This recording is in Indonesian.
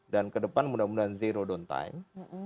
dan kedepan mudah mudahan zero downtime